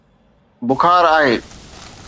بخار آهي